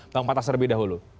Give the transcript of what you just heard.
bang patasar bi dahulu